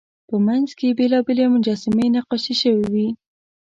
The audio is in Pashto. په منځ کې یې بېلابېلې مجسمې نقاشي شوې وې.